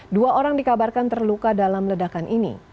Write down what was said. dua orang dikabarkan terluka dalam ledakan ini